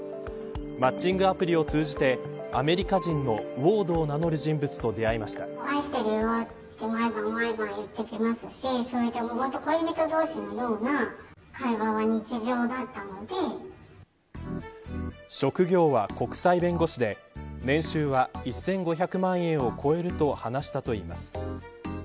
マッチングアプリを通じてアメリカ人のウォードを名乗る人物と出会いました職業は国際弁護士で年収は１５００万円を超えると話したといいます。